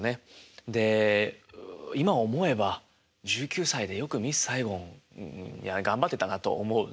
で今思えば１９歳でよく「ミスサイゴン」頑張ってたなと思うんですよ。